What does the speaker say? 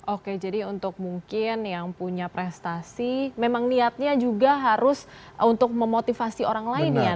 oke jadi untuk mungkin yang punya prestasi memang niatnya juga harus untuk memotivasi orang lain ya